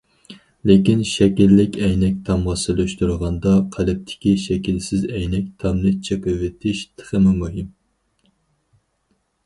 لېكىن، شەكىللىك ئەينەك تامغا سېلىشتۇرغاندا، قەلبتىكى شەكىلسىز ئەينەك تامنى چېقىۋېتىش تېخىمۇ مۇھىم.